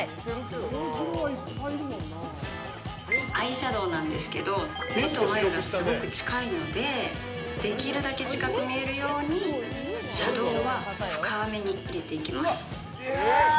アイシャドーなんですけど目と眉がすごく近いのでできるだけ近く見えるようにシャドーは深めに入れていきます。